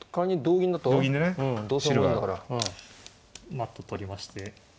まあ取りまして。